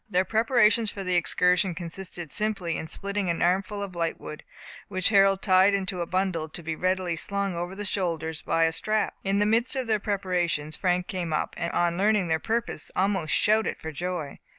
Their preparation for the excursion consisted simply in splitting an armful of lightwood, which Harold tied into a bundle, to be readily slung over the shoulders by a strap. In the midst of their preparations Frank came up, and on learning their purpose, almost shouted for joy.